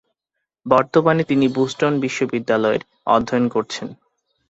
বর্তমানে তিনি বোস্টন বিশ্ববিদ্যালয়ে অধ্যয়ন করছেন।